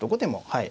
はい。